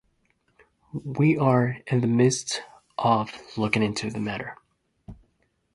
We are in the midst of looking into the matter.